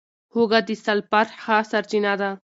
هوږه د سلفر ښه سرچینه ده.